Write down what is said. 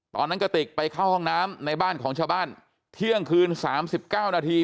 กระติกไปเข้าห้องน้ำในบ้านของชาวบ้านเที่ยงคืน๓๙นาที